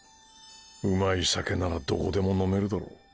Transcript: うまい酒ならどこでも飲めるだろ。